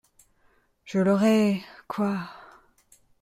Je l’aurais… quoi…